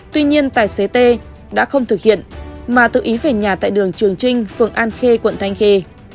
tuy nhiên tài xế t đã không thực hiện mà tự ý về nhà tại đường trường trinh phường an khê quận thanh khê